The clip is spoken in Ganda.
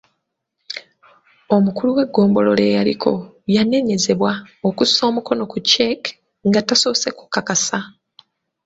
Omukulu w'eggombolola eyaliko yanenyezebwa okussa omukono ku cheque nga tasoose kukakasa.